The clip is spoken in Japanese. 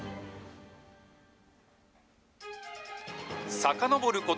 さかのぼること